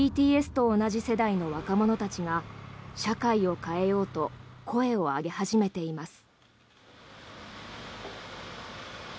ＢＴＳと同じ世代の若者たちが社会を変えようと声を上げ始めています。